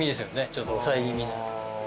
ちょっと抑え気味な。